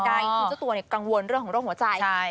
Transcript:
อยากได้คุณเจ้าตัวกังวลเรื่องฐานของหัวใจ